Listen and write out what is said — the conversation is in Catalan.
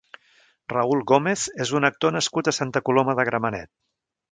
Raúl Gómez és un actor nascut a Santa Coloma de Gramenet.